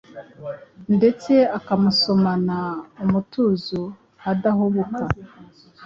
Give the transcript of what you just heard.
ndetse akamusomana umutuzo adahubuka.